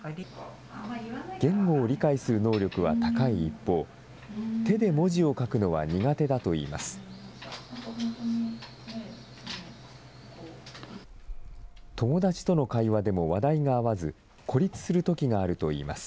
言語を理解する能力は高い一方、手で文字を書くのは苦手だといいます。